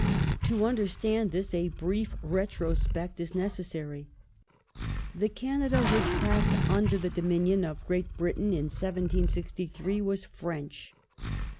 To understand this a brief retrospect is necessary. The Canada which passed under the dominion of Great Britain in 1763 was French.